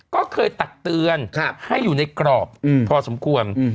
ก็เคยตักเตือนให้อยู่ในกรอบพอสมควร